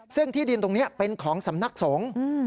ซึ่งที่ดินตรงนี้เป็นของสำนักสงฆ์